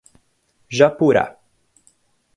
Japurá